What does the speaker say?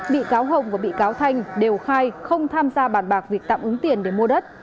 bị cáo hồng và bị cáo thanh đều khai không tham gia bàn bạc vì tạm ứng tiền để mua đất